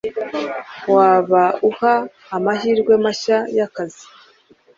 Waba uhaka amahirwe mahya yakazi,